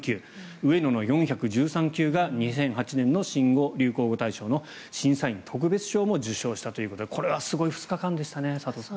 「上野の４１３球」が２００８年の新語・流行語大賞の審査員特別賞も受賞したということでこれはすごい２日間でしたね佐藤さん。